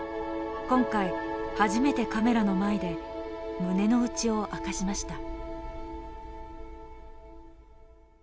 今回初めてカメラの前で胸の内を明かしました。